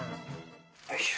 よいしょ。